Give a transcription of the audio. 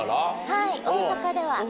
はい大阪では。